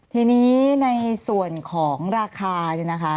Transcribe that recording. ทีนี้ในส่วนของราคานะคะ